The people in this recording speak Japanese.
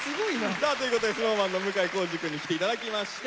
さあということでＳｎｏｗＭａｎの向井康二くんに来て頂きました。